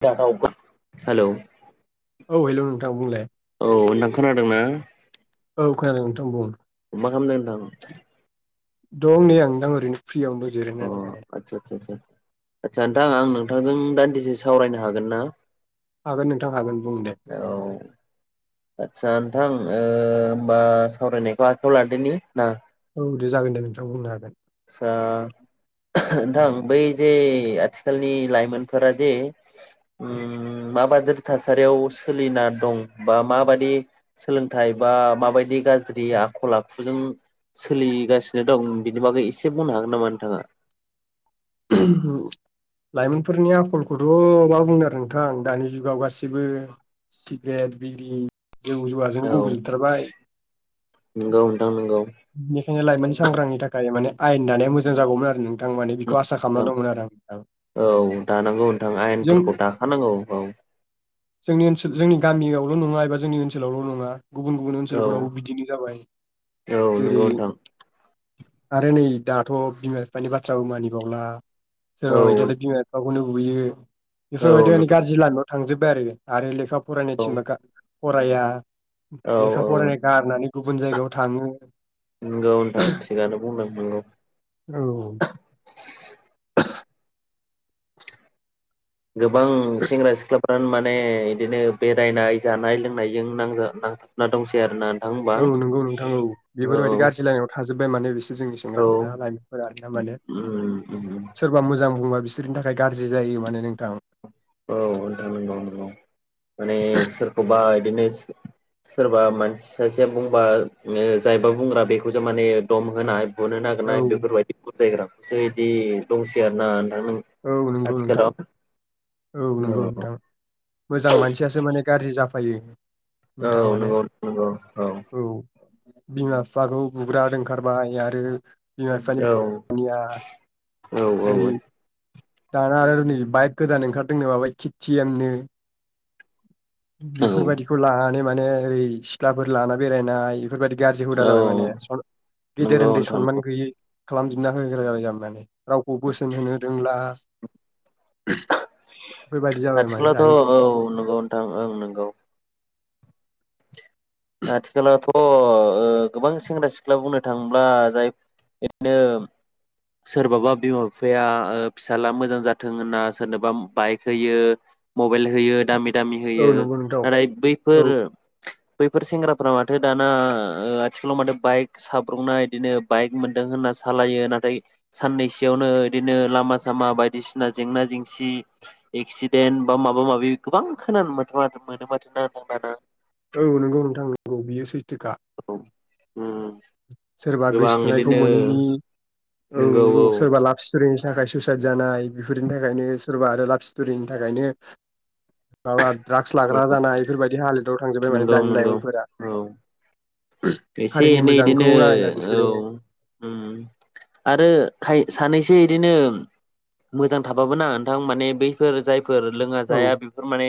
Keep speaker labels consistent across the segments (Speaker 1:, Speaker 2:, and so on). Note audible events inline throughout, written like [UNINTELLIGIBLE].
Speaker 1: [UNINTELLIGIBLE] Hello
Speaker 2: औ hello नोंथां बुंलाय ।
Speaker 1: औ नोंथां खोनादोंना?
Speaker 2: औ खोनादों नोंथां बुं ।
Speaker 1: मा खालामदों नोंथां
Speaker 2: दं नै आं नोंथां ओरैनो । फ्रियावनो जिरहायनानै माने ।
Speaker 1: अ आदसा आदसा आदसा आदसा नोंथां आं नोंथांजों दान्दिसे सावरायनो हागोन ना?
Speaker 2: हागोन नोंथां हागोन बुं दे ।
Speaker 1: औ आदसा नोंथां होमबा सावरायनायखौ आखायाव लादोनि ना?
Speaker 2: औ दे जागोन दे नोंथा बुंनो हागोन
Speaker 1: आतसा नोंथां बै जे आथिखालनि लाइमोनफोरा जे माबादि थासारियाव सोलिना दं बा माबादि सोलोंथाइ बा माबायदि गाज्रि आखल आखुजों सोलिगासिनो दं बिनि बागै एसे बुंनो हागोन नामा नोंथाङा?
Speaker 2: लाइमोनफोरनि आखलखौथ' मा बुंदों आरो नोंथां दानि जुगाव गासिबो सिग्रेट बिरि जौ जुवाजों
Speaker 1: औ
Speaker 2: गब'जोबथारबाय
Speaker 1: नंगौ नोंथां नंगौ
Speaker 2: बेनिखायनो लाइमोन सांग्रांनि थाखाय माने आयेन दानाया मोजां जागौमोन आरो नोंथां माने खौ आसा खालामनानै
Speaker 1: नोंथां
Speaker 2: दंमोन आरो आं आं
Speaker 1: औ दानांगौ नोंथां
Speaker 2: जों
Speaker 1: आयेनफोरखौ दाखानांगौ औ
Speaker 2: जोंनि ओनसोल जोंनि गामियाव ल' नङा एबा जोंनि ओनसोलावल' नङा गुबुन गुबुन
Speaker 1: औ
Speaker 2: ओनसोलफोराव बिदिनो जाबाय
Speaker 1: औ
Speaker 2: जेरै
Speaker 1: नंगौ नोंथां
Speaker 2: आरो नै दाथ' बिमा बिफानि बाथ्राबो मानिबावला
Speaker 1: औ
Speaker 2: सोरबा बायदियाथ' बिमा बिफाखौ खौनो बुयो
Speaker 1: औ
Speaker 2: बेफोरबायदियानो गारजि लमायाव थांजोब्बाय आरो आरो लेखा फरायनो
Speaker 1: नंगौ
Speaker 2: थिनबा गार फराया
Speaker 1: औ
Speaker 2: लेखा
Speaker 1: औ
Speaker 2: फरायनाय गारनानै गुबुन जायगायाव थाङो
Speaker 1: नंगौ नोंथां थिगानो बुंदों नंगौ
Speaker 2: औ
Speaker 1: गोबां सेंग्रा सिख्लाफ्रा माने बिदिनो बेरायनाय जानाय लोंनायजों नांजा नांथाबना दंसै आरोना नोंथां होमबा
Speaker 2: औ नंगौ नोंथां औ
Speaker 1: औ
Speaker 2: बेफोरबायदि गाज्रि लामायाव थाजो जोब्बाय माने बिसि जोंनि
Speaker 1: औ
Speaker 2: सेंग्राफोरा लाइमोनफोरा नामानो
Speaker 1: उम उम
Speaker 2: सोरबा मोजां बुंबा बिसोरनि थाखाय गाज्रि जायो माने नोंथां
Speaker 1: औ नोंथां नंगौ नंगौ माने सोरखौबा बिदिनो सोरबा मानसि सासेया बुंबा जायबा बुंग्रा बेखौसो माने दम होनाय बुनो
Speaker 2: औ
Speaker 1: नागिरनाय बेफोरबायदि बुजायग्राखौसोदि दंसे आरो ना
Speaker 2: औ नंगौ नोंथां
Speaker 1: आथिखालाव
Speaker 2: औ नंगौ
Speaker 1: औ
Speaker 2: नोंथां मोजां मानसियासो माने गाज्रि जा जाफायो
Speaker 1: औ
Speaker 2: नोंथां माने
Speaker 1: नंगौ नंगौ औ
Speaker 2: बिमा बिफाखौ बुग्रा ओंखारबाय आरो बिमा बिफानि
Speaker 1: औ
Speaker 2: दानिया
Speaker 1: औ
Speaker 2: ओरै
Speaker 1: औ
Speaker 2: दाना आरो नै बाइक गोदान ओंखारदोंनो माबा केटिएमनो बेफोरबायदिखौ लानानै माने ओरै सिख्लाफोर लाना बेरायनाय बेफोरबायदि गाज्रि हुदा
Speaker 1: औ
Speaker 2: जाबाय माने गिदेर
Speaker 1: नंगौ
Speaker 2: उन्दै
Speaker 1: नोंथां
Speaker 2: सनमान
Speaker 1: नंगौ
Speaker 2: गैयि खालाम जोबनो होग्रा जाबाय जामोननानै रावखौ बोसोन होनो दोंब्ला माने
Speaker 1: आथिखलाावथ औ
Speaker 2: दानि
Speaker 1: नंगौ नोंथां ओं नंगौ आथिखलाावथ गोबां सेंग्रा सिख्ला बुंनो थाङोब्ला जाय बिदिनो सोरबाबा बिमा बिफाया फिसाज्ला मोजां जाथों होनना सोरनोबा बाइक होयो मबाइल होयो दामि दामि होयो
Speaker 2: औ नंगौ नोंथां
Speaker 1: नाथाय
Speaker 2: औ
Speaker 1: बैफोर बैफोर सेंग्रा फोरा माथो दाना ओ आथिखालाव माथो बाइक साब्रंना बिदिनो बाइक मोनदों होनना सालायो नाथाय साननैसोयावनो इदिनो लामा सामा बायदिसिना जेंना जेंसि एक्सिडेन्ट बा माबा माबि गोबां खोनानो
Speaker 2: औ नंगौ नोंथां नंगौ बियो सै थोखा
Speaker 1: उम
Speaker 2: सोरबा
Speaker 1: गोबां
Speaker 2: गोसोथोनायखौ
Speaker 1: इदिनो
Speaker 2: मोनैनि औ नंगौ सोरबा लाब रिनसाखाय सुइसाइद जानाय बेफोरनि थाखायनो सोरबा आरो लाभ स्टरिनि थाखायनो माबा ड्राग्स लाग्रा
Speaker 1: औ
Speaker 2: जानाय बेफोरबायदि हालोद बाव थांजोबाय माने
Speaker 1: नंगौ
Speaker 2: दानि
Speaker 1: नंगौ
Speaker 2: लाइमोनफोरा
Speaker 1: औ एसे
Speaker 2: हारिनि
Speaker 1: एनै इदिनो
Speaker 2: मोजांखौ नायला
Speaker 1: औ
Speaker 2: बिसोरो
Speaker 1: उम आरो खाय सानैसो इदिनो मोजां थााबाबोना नोंथां माने बैफोर जाय फोर लोङा
Speaker 2: औ
Speaker 1: जाया बेफोर माने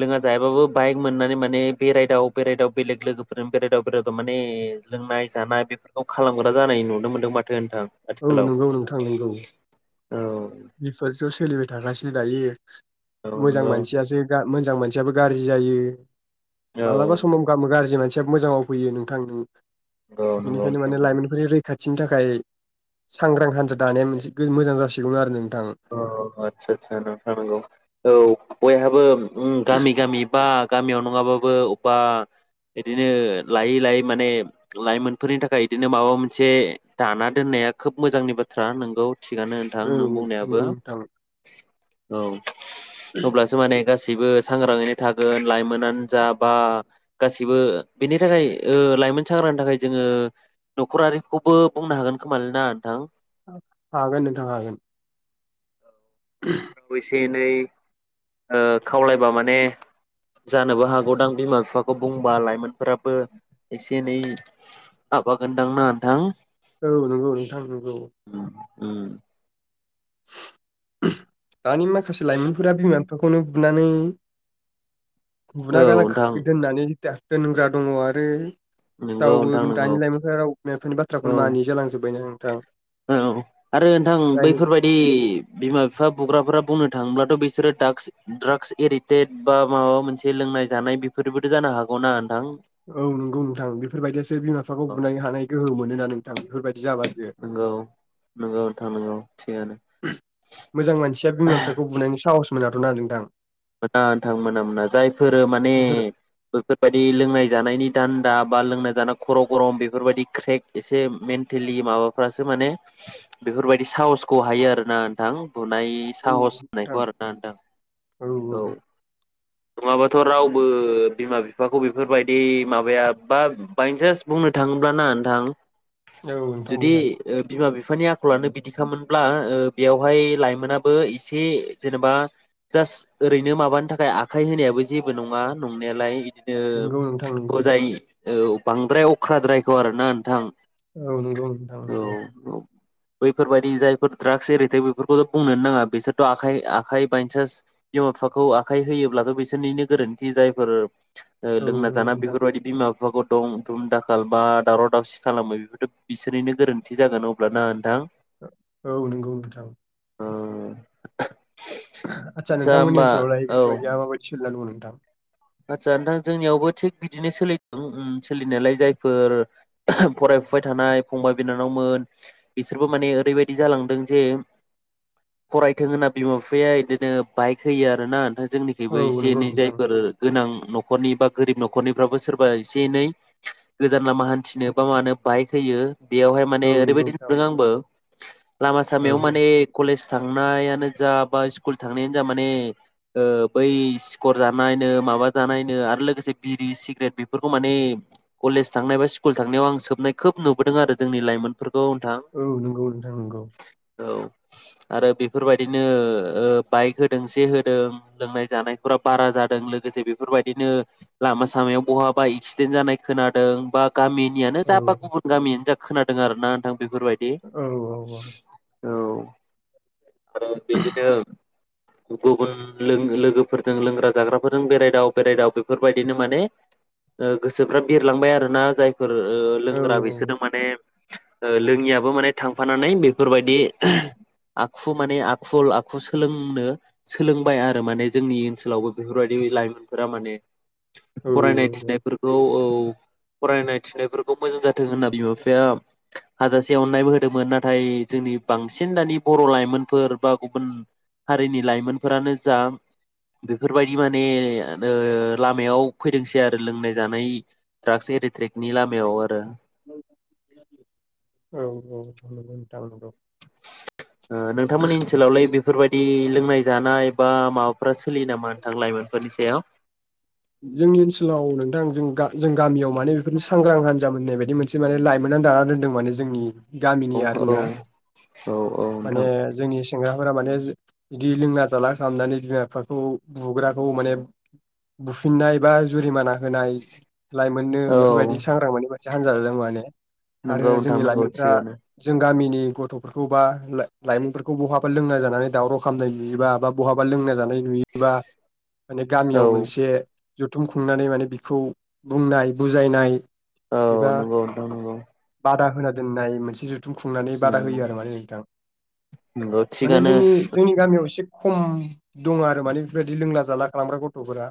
Speaker 1: लोङा जायाबाबो बाइक मोननानै माने बेरायदाव बेरायदाव बेलेग लोगोफोरजों बेरायदाव माने लोंनाय जानाय बेफोरखौ खालामग्रा जानाय नुनो मोन्दों माथो नोंथां
Speaker 2: औ
Speaker 1: आथिखालाव
Speaker 2: नंगौ नोंथां नंगौ
Speaker 1: औ
Speaker 2: बेफोरथ सोलिबाय थागासिनो दायो
Speaker 1: औ
Speaker 2: मोजां
Speaker 1: नंगौ
Speaker 2: मानसियासो गा मोजां मानसियाबो गाज्रि जायो
Speaker 1: औ
Speaker 2: मालाबा
Speaker 1: नंगौ
Speaker 2: समाव गामो गाज्रि मान सियाबो मोजाङाव फैयो नोंथां
Speaker 1: नंगौ
Speaker 2: बेनिखायनो
Speaker 1: नोंथां
Speaker 2: माने
Speaker 1: नंगौ
Speaker 2: लाइमोनफोरनि रै खाथिनि थाखाय सांग्रां हान्जा दानाया मोनसे मोजां जासिगौमोन आरो नों
Speaker 1: अह आदसा आसा नोंथां नंगौ औ बयहाबो उम गामि गामि बा गामियाव नङाबाबो अबबा इदिनो लायै लायै माने लाइमोनफोरनि थाखाय इदिनो माबा मोनसे दाना दोननाया खोब मोजांनि बाथ्रा नंगौ थिगानो नोंथां नों बुंनायाबो
Speaker 2: नंगौ नोंथां
Speaker 1: औ अब्लासो माने गासै [INAUDIBLE] सांग्राङैनो थागोन लाइमोनानो जा बा गासैबो बेनि थाखाय ओ लाइमोन सांग्रांनि थाखाय जोंङो नखरारिखौबो बुंनो हागोन खोमालैना नोंथां
Speaker 2: हागोन नोंथां हागोन।
Speaker 1: न'खरफोराव एसे एनै ओ खावलायबा माने जानोबो हागौदां बिमा बिफाखौ खौ बुंबा लाइमोनफोराबो एसे एनै आबागोनदां ना नोंथां।
Speaker 2: औ नंगौ नोंथां नंगौ।
Speaker 1: उम
Speaker 2: [UNINTELLIGIBLE] दानि माखासे लाइमोनफोरा बिमा बि बेखौनो बुनानै बुना
Speaker 1: नोंथां
Speaker 2: गालांखागोन [UNINTELLIGIBLE] होनग्रा दङ आरो
Speaker 1: नंगौ
Speaker 2: रावबो
Speaker 1: नोंथां
Speaker 2: मोन
Speaker 1: नंगौ
Speaker 2: दानि लाइमोनफोरा राव बिमा बिफानि
Speaker 1: औ
Speaker 2: बाथ्राखौनो मानियै जालांजोब्बाय थों
Speaker 1: औ आरो नोंथां बैफोरबायदि बिमा बिफा बुग्राफोरा बुंनो थाङोब्लाथ' बिसोरो दागस ड्राग्स एडिक्टेड बा माबा मोनसे लोंनाय जानाय बेफोरबोथ' जानो हागौना। नोंथां
Speaker 2: औ नंगौ नोंथां बेफोरबायदियासो बिमा बिफाखौ बुलायनो हानाय गोहो मो मोना नोंथां बेफोरबायदि जाबासो
Speaker 1: नोंगौ नंगौ नोंथां नंगौ। थिगानो
Speaker 2: मोजां मानसिया बिमा बिफाखौ बुनायनि साहस। मोनाथ'ना नोंथां।
Speaker 1: मोना नोंथां मोना मोना जायफोर माने
Speaker 2: बेफोर
Speaker 1: बैफोरबायदि लोंनाय जानायनि दान्दा बा लोंना जाना खर' गरम बेफोरबायदि क्रेक एसे मेन्टेलि माबाफ्रासो माने बेफोरबायदि साहसखौ हायो आरोना नोंथां बुनाय
Speaker 2: औ
Speaker 1: साहस होननायखौ
Speaker 2: नोंथां
Speaker 1: आरोना नोंथां। औ नङाबाथ' रावबो बिमा बिफाखौ बेफोरबायदि माबाया बा बायसान्स बुंनो थाङोब्ला ना नोंथां
Speaker 2: औ नोंथां
Speaker 1: जुदि
Speaker 2: बुंलाय
Speaker 1: ओ बिमा बिफानि आखलानो बिदिखामोनब्ला ओ बेवहाय लाइमोनाबो एसे जेनेबा जास्ट ओरैनो माबानि थाखाय आखाइ होनायाबो जेबो नङा नंनायालाय। बिदिनो
Speaker 2: नंगौ नोंथां नंगौ
Speaker 1: बजाय औ बांद्राय अख्राद्रायखौ आरो ना नोंथां
Speaker 2: औ नंगौ नोंथाङ नंगौ।
Speaker 1: बैफोरबायाददि जायफोर द्राग्स एरिथे बेफोरखौथ' बुंनोनो नाङा बिसोरथ' आखाइ आखाइ बायसान्स बिमा बिफाखौ आखाइ होयोब्लाथ' बिसोरनिनो गोरोन्थि जायफोर
Speaker 2: औ
Speaker 1: लोंना
Speaker 2: नंगौ
Speaker 1: जाना
Speaker 2: नोंथां
Speaker 1: बेफोरबायदि बिमा बिफाखौ दं धुम दाखाल बा दावराव दावसि खालामो बेफोरथ' बिसोरनिनो गोरोन्थि जागोन अब्लाना नोंथां?
Speaker 2: औ नंगौ नोंथां।
Speaker 1: औ
Speaker 2: आथसा नों
Speaker 1: आदसा
Speaker 2: बिथांमोननि
Speaker 1: होमबा
Speaker 2: ओनसाव लायो
Speaker 1: औ
Speaker 2: बेफोरबायदिया माबायदि। सोलिना दं नोंथां।
Speaker 1: आदसा नोंथां जोंनियावबो थिग बिदिनो उम सोलिदों सोलिनायालाय, जायफोर फरायफुबाय थानाय फंबाय बिनानावमोन बिसोरबो माने ओरैबायदि जालांदों जे फरायथों होनना बिमा बिफाया बिदिनो बाइक होयो आरोना नोथां। जोंनिखबो
Speaker 2: औ
Speaker 1: एसे
Speaker 2: नंगौ
Speaker 1: एनै
Speaker 2: नोंथां
Speaker 1: जायफोर गोनां न'खरनि बा गोरिब न'खरनिफ्राबो सोरबा एसे एनै गोजान लामा हान्थिनो बा मानो बाइक होयो। बेयावहाय
Speaker 2: औ
Speaker 1: माने
Speaker 2: नंगौ
Speaker 1: ओरैबायाददि
Speaker 2: नोंथां औ
Speaker 1: नुदों आंबो। लामा सामायाव
Speaker 2: औ
Speaker 1: माने कलेज थांनायानो जा बा स्कुल थांनायानो जा माने बै सि्कर जानायानो माबा जानायनो आरो लोगोसे बिरि सिग्रेट बेफोरखौ मान कलेज थांनाय बा स्कुल थांनायाव आं सोबनाय खोब नुबोदों आरो जोंनि लाइमोन
Speaker 2: औ नंगौ नोंथां नंगौ।
Speaker 1: औ आरो बेफोरबायदिनो बाइक होदों से होदों लोंनाय जानायफोरा बारा जादों। लोगोसे बेफोरबायदिनो लामा सामायाव बहाबा एक्सिडेन्ट जानाय खोनादों बा गामिनियानो
Speaker 2: औ
Speaker 1: जा बा गुबुन गामियानो ज खोनादों आर ना नोंथां। बेफोरुरबायायदि।
Speaker 2: औ औ
Speaker 1: आरो बे बिदिनो। गुबुन लोगोफोरजों लोंग्रा जाग्रा फोरजों बेरायदाव बेरायदाव बेफोरबायदिनो माने गोसोफ्रा बिरलांबाय आरोोना। जाय फोर
Speaker 2: औ
Speaker 1: लोंग्रा बिसोरो माने। लोङियाबो माने थांफानानै, बेफोरबायदि आखु माने आखुल आखु सोलोंनो सोलोंबाय आरो माने जोंनि ओनसोलावबो बेफोरबायदि। लाइमोनफोरा माने
Speaker 2: औ
Speaker 1: फरायनाय थिनायफोरखौ औ फरायनाय थिनायफोरखौ मोजां जाथों होनना बिमा बिफाया हाजासे अननायबो होदोंमोन नाथाय, जोंनि बांसिन दानि बर' लाइमोनफोर बा गुबुन हारिनि लाइमोनफोरानो जा बेफोरबायदि बिदि माने लामायाव फैदोंसै आरो लोंनाय जानाय ट्राक्स एरिट्रिकनि लामायाव आरो।
Speaker 2: औ औ।
Speaker 1: नोंथांमोननि ओनसोलावलाय बेफोरबायदि लोंनाय जानाय बा माबाफोरा सोलियो नामा नोंथां लाइमोनफोरनि सायाव
Speaker 2: जोंनि ओनसोलाव नोंथां जों जों गामियाव माने बेफोरनो सांग्रां हान्जा मोननाय बायदि मोनसे माने लाइमोनना दानानानै दोनदों माने जोंनि गामिनि
Speaker 1: औ
Speaker 2: आरोना
Speaker 1: औ औ नोंथां
Speaker 2: माने जोंनि सिङाव माने बिदि लोंना जाला खालामनानै बिमा बिफाखौ बुग्राखौ माने बुफिननाय बा जुरिमाना होनाय लाइमोननो
Speaker 1: औ
Speaker 2: बेफोरबायदि सांग्रां मोन जाहानजालला माने [UNINTELLIGIBLE]
Speaker 1: नंगौ
Speaker 2: आरो
Speaker 1: नोंथां
Speaker 2: जोंनि
Speaker 1: नंगौ
Speaker 2: लाइमोनफ्रा
Speaker 1: थिगानो
Speaker 2: जों गामिनि जोंनि गथ'फोरखौ बा लाइमोनफोरखौ बहाबा लोंना जानानै दावराव खालामामनाय नुयोबा बा बहाबा लोंना जानाय नुयोबा माने गामियाव
Speaker 1: औ
Speaker 2: मोनसे जथुम खुंनानै माने बिखौ बुंनाय बुजायनाय
Speaker 1: औ
Speaker 2: एबा
Speaker 1: नंगौ द नंगौ ।
Speaker 2: बादा होना दोननाय मोनसे जु दुंखुंनानै बादा होयो आरो माने नोंथां
Speaker 1: नंगौ
Speaker 2: माने
Speaker 1: थिगानो
Speaker 2: जोंनि जोंनि गामियाव एसे खम दङ आरो माने बेफोरबायदि लोंला जाला खालामग्रा गथ'फोरा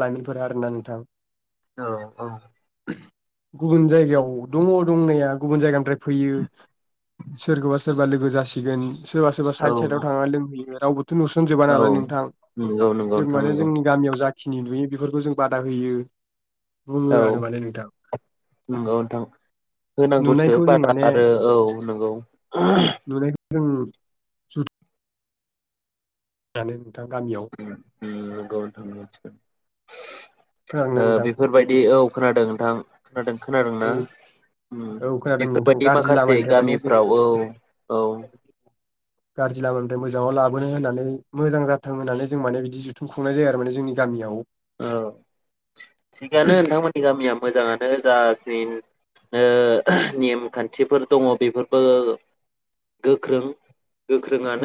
Speaker 2: लाइमोनफोर आरो ना नोंथां [UNINTELLIGIBLE]
Speaker 1: औ औ।
Speaker 2: गुबुन जायगायाव दङ दंनाया गुबुन जायगानिफ्राय फैयो सोरखौबा सोरबा लोगो जासिगोन सोरबा सोरबा साइड
Speaker 1: औ
Speaker 2: साइडआव थांनानै लोंहैयो [UNINTELLIGIBLE] नुसनजोबा
Speaker 1: नंगौ
Speaker 2: नालाय नोंथां
Speaker 1: नंगौ
Speaker 2: जों
Speaker 1: नोंथां
Speaker 2: माने
Speaker 1: नंगौ
Speaker 2: जोंनि गामियाव जायो [UNINTELLIGIBLE] खिनि नुयो बेफोरखौ जों बादा होयो बुङो
Speaker 1: औ
Speaker 2: आरो माने नोंथां
Speaker 1: नंगौ नोंथां होनांगौसो
Speaker 2: नुनायखौ जों
Speaker 1: बारा
Speaker 2: माने
Speaker 1: आरो औ नंगौ। [UNINTELLIGIBLE]
Speaker 2: ओम [UNINTELLIGIBLE] [UNINTELLIGIBLE]
Speaker 1: [UNINTELLIGIBLE]
Speaker 2: खोनादोंना
Speaker 1: ओ
Speaker 2: नोंथां
Speaker 1: बेफोरबादि औ खोनादों नोंथां। खोनादों खोनादोंना
Speaker 2: औ औ खोनादों नोंथां
Speaker 1: बेफोरबायाददि
Speaker 2: गाज्रि
Speaker 1: माखासे
Speaker 2: लामानिफ्राय माने जों
Speaker 1: गामिफ्राव औ औ।
Speaker 2: गाज्रि लामानिफ्राय मोजाङाव लाबोनो होननानै मोजां जाथों होननानै जों माने बिदि जुथुम खुंनाय जायो आरो माने जोंनि गामियाव
Speaker 1: औ। थिगानो नोंथांमोननि गामिया मोजाङानो जाखिनि ओ नेमखान्थिफोर दङ बेफोरबो गोख्रों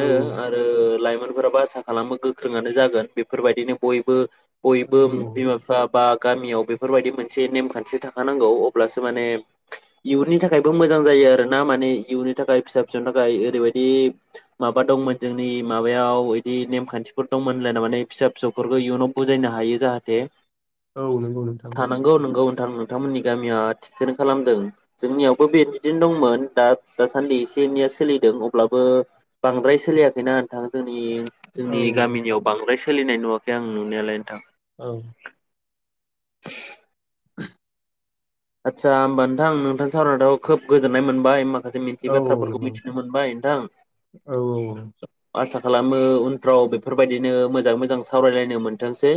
Speaker 2: औ
Speaker 1: आरो लाइ मोनफोराबो आसा खालामो गोख्रोङानो जागोन बेफोरबायदिनो बयबो
Speaker 2: औ
Speaker 1: बयबो बिमा बिफा बा गामियाव बेफोरबायदि मोनसे नेम खान्थि थाखानांगौ अब्लासो माने इयुननि थाखायबो मोजां जायो आरोना माने इयुननि थाखाय फिसा फिसौनि थाखाय ओरैबायदि माबा दंमोन जोंनि माबायाव बिदि नेमखान्थिफोर दंमोनलाय नना माने फिसा फिसौफोरखौ इयुनाव बुजायनो हायो जाहाथे
Speaker 2: औ नंगौ नोंथां औ
Speaker 1: थानांगौ नंगौ नोथां नोंथांमोननि गामिया थिखनो खालामदों जोंनियावबो बिदिदिन दंमोन दा दासान्दि एसे एनैया सोलिदों अब्लाबो बांद्राय सोलियाखैना होनथांदों नि जोंनि
Speaker 2: औ
Speaker 1: गामिनियाव बांद्राय सोलिनाय नुवाखै आं नुनायालाय नोंथां
Speaker 2: औ [INAUDIBLE]
Speaker 1: आच्छा ओमबा नोंथांं नोंथां सावरायनाथ खोब गोजोननाय मोनबाय मबा जों मिथियै
Speaker 2: औ औ
Speaker 1: बाथ्राफोरखौ
Speaker 2: नंगौ नोंथां
Speaker 1: मिथिनो मोनबाय नोंथां
Speaker 2: औ
Speaker 1: आसा खालामो उनफ्राव बेफोरबायदिनो मोजाङै मोजां सावरायलायनो मोनथोंसै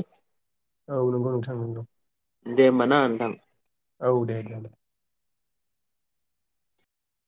Speaker 2: औ नोंगौ नोंथां नोंगौ
Speaker 1: दे ओमबाना नोंथां
Speaker 2: औ दे दोन